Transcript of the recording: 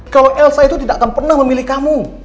kalau elsa itu tidak akan pernah memilih kamu